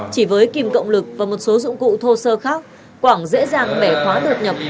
chỉ với kìm cộng lực và một số dụng cụ thô sơ khác quảng dễ dàng bẻ khóa đột nhập